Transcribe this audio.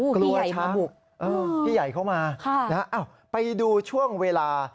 กลัวช้าพี่ใหญ่เข้ามานะครับอ่าวไปดูช่วงเวลา